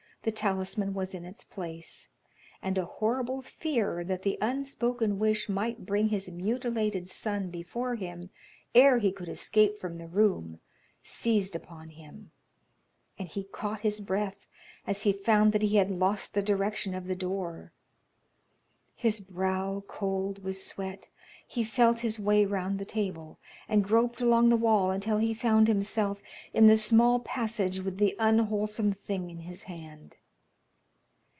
The talisman was in its place, and a horrible fear that the unspoken wish might bring his mutilated son before him ere he could escape from the room seized upon him, and he caught his breath as he found that he had lost the direction of the door. His brow cold with sweat, he felt his way round the table, and groped along the wall until he found himself in the small passage with the unwholesome thing in his hand.